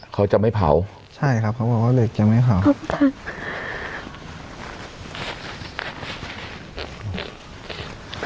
เขาจะไม่เผาใช่ครับเขาบอกว่าเหล็กยังไม่เผาครับ